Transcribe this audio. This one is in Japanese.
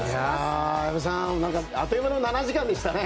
矢部さんあっという間の７時間でしたね。